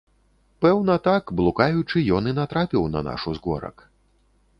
Пэўна, так, блукаючы, ён і натрапіў на наш узгорак.